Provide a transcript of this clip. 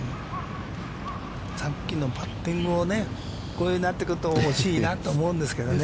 さっきのパッティングを、こういうふうになってくると、惜しいなと思うんですけどね。